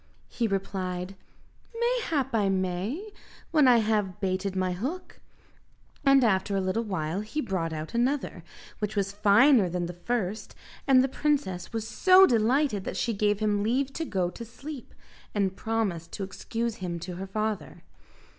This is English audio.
He replied, "Mayhap I may, when I have baited my hook;" and after a little while he brought out another, which was finer than the first, and the princess was so delighted that she gave him leave to go to sleep, and promised to excuse him to her father.